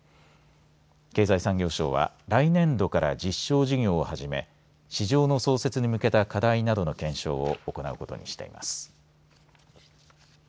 経済産業省は来年度から実証事業を始め市場の創設に向けた課題などの検証を行うことにしています。